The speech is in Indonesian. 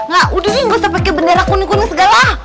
gak udah nih gak usah pake bendera kuning kuning segala